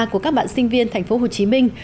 của các bạn sinh viên tp hcm